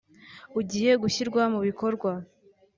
ugiye gushyirwa mu bikorwa